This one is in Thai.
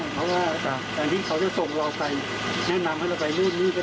เพราะว่าแกนที่ก็จะส่งเราไปแนะนำให้เราไปนู้นซีด้วย